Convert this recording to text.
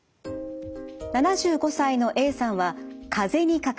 ７５歳のＡさんはかぜにかかりました。